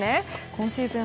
今シーズン